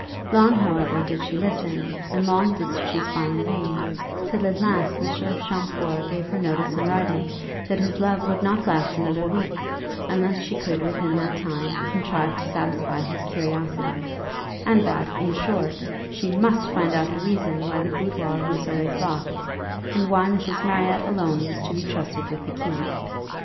Long, however, did she listen, and long did she spy in vain, till at last Mr. Champfort gave her notice in writing that his love would not last another week, unless she could within that time contrive to satisfy his curiosity; and that, in short, she must find out the reason why the boudoir was always locked, and why Mrs. Marriott alone was to be trusted with the key.